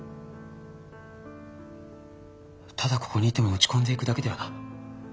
ただここにいても落ち込んでいくだけだよな。